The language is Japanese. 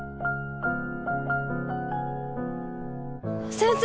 先生！